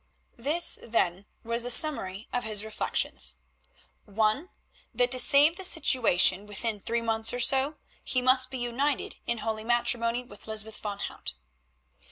This, then, was the summary of his reflections. (1) That to save the situation, within three months or so he must be united in holy matrimony with Lysbeth van Hout.